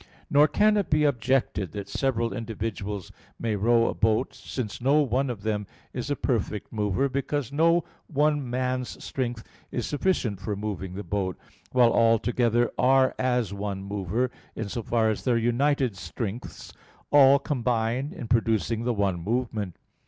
Nor can it be objected that several individuals may row a boat, since no one of them is a perfect mover, because no one man's strength is sufficient for moving the boat; while all together are as one mover, in so far as their united strengths all combine in producing the one movement.